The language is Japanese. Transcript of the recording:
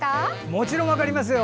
もちろん分かりますよ！